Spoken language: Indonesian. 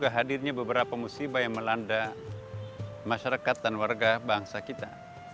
hadirnya beberapa musibah yang melanda masyarakat dan warga bangsa kita